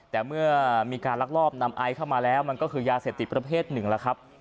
แต่เมื่อมีการลักลอบนำไอซ์เข้ามาแล้วมันก็คือยาเสพติดประเภทหนึ่งแล้วครับ